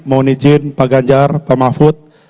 mohon izin pak ganjar pak mahfud